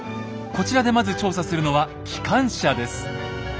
こちらでまず調査するのは機関車です。